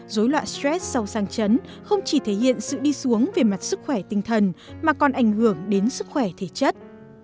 dối loạn stress sau sang chấn không chỉ thể hiện sự đi xuống về mặt sức khỏe tinh thần mà còn ảnh hưởng đến sức khỏe thể chất